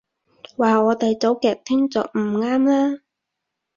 話我哋走極端就唔啱啦